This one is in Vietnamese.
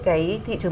cái thị trường